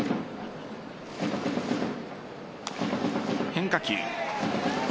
変化球。